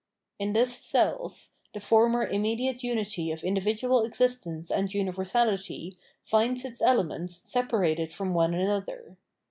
In this self, the former immediate unity of individual exist ence and universality finds its elements separated from one another.